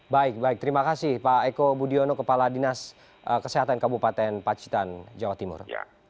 baik baik terima kasih pak eko budiono kepala dinas kesehatan kabupaten pacitan jawa timur